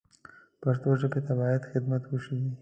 پښتو ژبې ته باید خدمت وشي